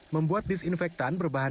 membuat disinfektan berbahan